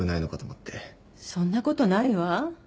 そんなことないわ。